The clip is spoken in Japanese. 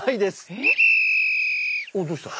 おっどうした？